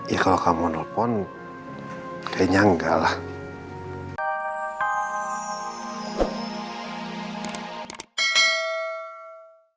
ya kalo kamu mau nelfon kayaknya enggak lah